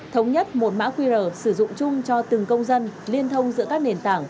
thống nhất một mã qr sử dụng chung cho từng công dân liên thông giữa các nền tảng